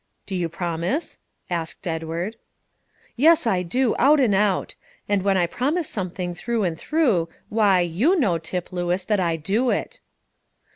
"Do you promise?" asked Edward. "Yes, I do, out and out; and when I promise a thing through and through, why, you know, Tip Lewis, that I do it."